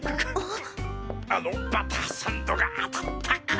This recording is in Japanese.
あのバターサンドがあたったか？